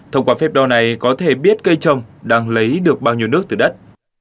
thông qua phép đo này có thể biết cây trồng đang lấy được bao nhiêu nước từ đất